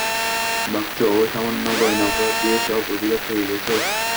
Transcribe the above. ভাবছ, ঐ সামান্য গয়না উপহার দিয়ে সব অধিকার পেয়ে গেছ?